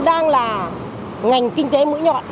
đang là ngành kinh tế mũi nhọn